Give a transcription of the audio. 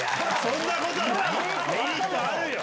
そんなことはない！